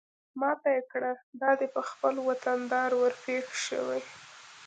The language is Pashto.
ما ته يې کړه دا دى په خپل وطندار ورپېښ شوې.